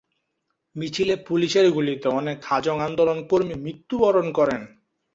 মিছিলে পুলিশের গুলিতে অনেক হাজং আন্দোলন কর্মী মৃত্যুবরণ করেন।